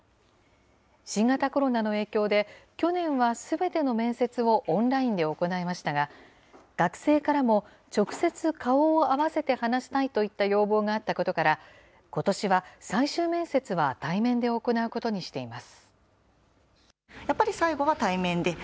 新型コロナの影響で、去年はすべての面接をオンラインで行いましたが、学生からも直接顔を合わせて話したいといった要望があったことから、ことしは最終面接は対面で行うことにしています。